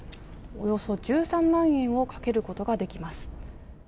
およそ１３万円を賭けることができます。